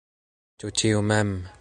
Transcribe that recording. Ĉu ĉiu mem?